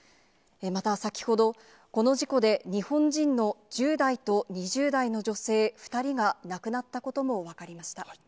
また先ほど、この事故で、日本人の１０代と２０代の女性２人が亡くなったことも分かりまし